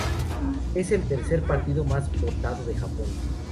Es el tercer partido más votado de Japón.